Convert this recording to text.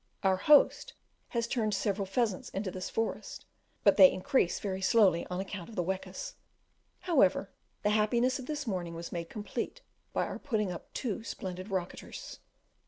Our host has turned several pheasants into this forest, but they increase very slowly on account of the wekas. However, the happiness of this morning was made complete by our putting up two splendid rocketers.